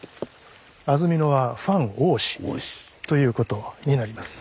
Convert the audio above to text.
「安曇野は、ｆａｎ多し！」ということになります。